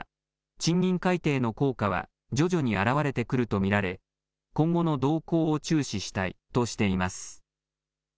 賃金改定の効果は徐々に現れてくると見られ今後の動向を注視したいとしています。